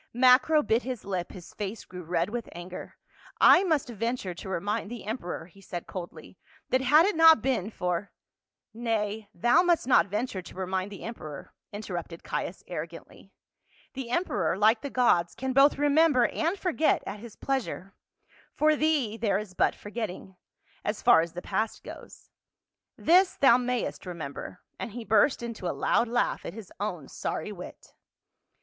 Macro bit his lip, his face grew red with anger. " I THE MASTER OF THE WORLD. Ill must venture to remind the emperor," he said coldly, "that had it not been for —" "Nay, thou must not venture to remind the em peror," interrupted Caius arrogantly. " The emperor, like the gods, can both remember and forget at his pleasure ; for thee there is but forgetting — as far as the past goes ; this thou mayest remember," and he burst into a loud laugh at his own sorry wit.